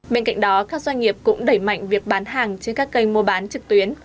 bên cạnh đó các doanh nghiệp cũng đẩy mạnh việc bán hàng trên các kênh mua bán trực tuyến